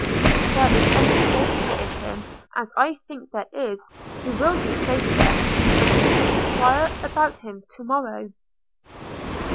If there is any danger in him, as I think there is, he will be safe there; and we can inquire about him to morrow."